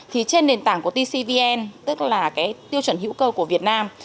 thì trên nền tảng của tcvn tức là cái tiêu chuẩn hữu cơ của việt nam